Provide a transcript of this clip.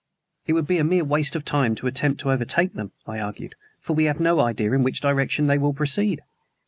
"It would be mere waste of time to attempt to overtake them," I argued, "for we have no idea in which direction they will proceed."